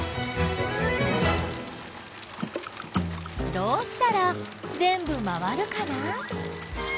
どうしたらぜんぶ回るかな？